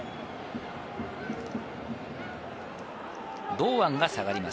堂安が下がります。